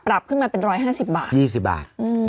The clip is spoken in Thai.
ปรับขึ้นมาเป็น๑๕๐บาท